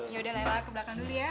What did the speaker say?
ya udah lah aku belakang dulu ya